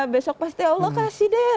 besok pasti allah kasih deh